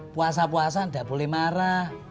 puasa puasa tidak boleh marah